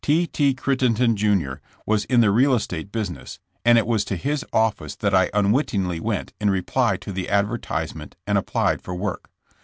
T. T. Crittenden, Jr., was in the real estate business, and it was to his office that I unwittingly went in reply to the advertisement and applied for work.